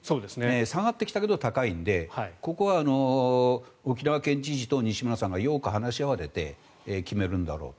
下がってきたけど高いのでここは沖縄県知事と西村さんがよく話し合われて決めるんだろうと。